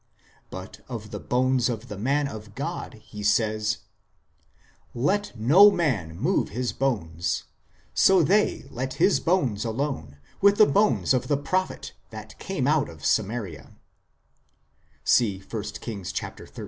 ..." But of the bones of the man of God he says :" Let no man move his bones. So they let his bones alone, with the bones of the prophet that came out of Samaria " (see 1 Kings xiii.